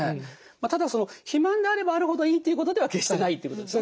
ただ肥満であればあるほどいいということでは決してないということですね。